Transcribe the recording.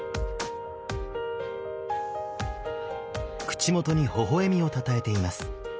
口元にほほ笑みをたたえています。